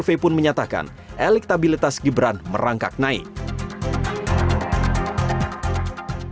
walaupun menyatakan elektabilitas gibran merangkak naik